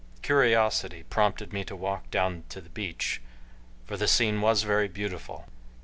Curiosity prompted me to walk down to the beach, for the scene was very beautiful.